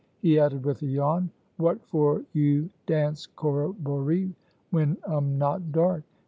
He added with a yawn: "What for you dance corroboree when um not dark?